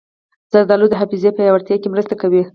زردالو د حافظې پیاوړتیا کې مرسته کوي.